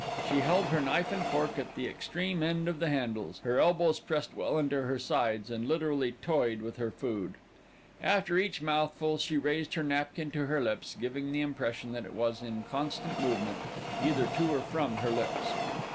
She held her knife and fork at the extreme end of the handles, her elbows pressed well into her sides, and literally toyed with her food. After each mouthful, she raised her napkin to her lips, giving the impression that it was in constant movement, either to or from her lips.